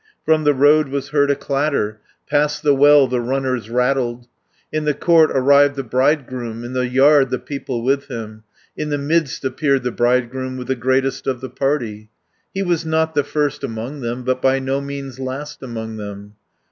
From the road was heard a clatter, Past the well the runners rattled, 50 In the court arrived the bridegroom, In the yard the people with him, In the midst appeared the bridegroom, With the greatest of the party. He was not the first among them, But by no means last among them.